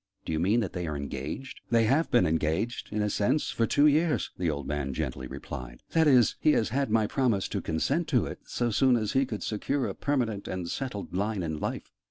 "Do you mean that they are engaged?" "They have been engaged in a sense for two years," the old man gently replied: "that is, he has had my promise to consent to it, so soon as he could secure a permanent and settled line in life.